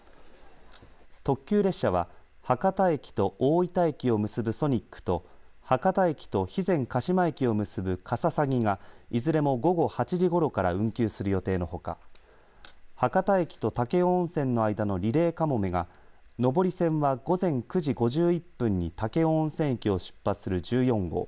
特急列車は博多駅と大分駅を結ぶソニックと博多駅と備前鹿島駅を結ぶかささぎがいずれも午後８時ごろから運休する予定のほか博多駅と武雄温泉の間のリレーかもめが上り線は午前９時５１分に武雄温泉駅を出発する１４号。